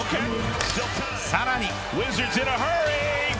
さらに。